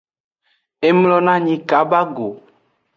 E mlonanyi kaba go.